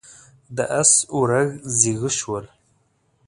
د اس ورږ زيږه شول.